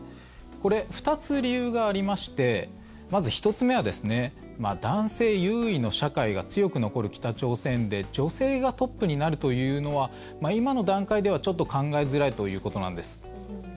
これ、２つ理由がありましてまず１つ目は男性優位の社会が強く残る北朝鮮で女性がトップになるというのは今の段階ではちょっと考えづらいということなんです。